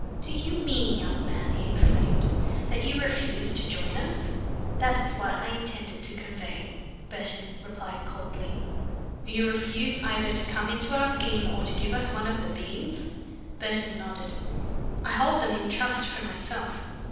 "Do you mean, young man," he exclaimed, "that you refuse to join us?" "That is what I intended to convey," Burton replied coldly. "You refuse either to come into our scheme or to give us one of the beans?" Burton nodded. "I hold them in trust for myself."